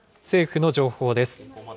政府の情報です。